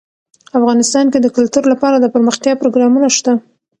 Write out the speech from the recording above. افغانستان کې د کلتور لپاره دپرمختیا پروګرامونه شته.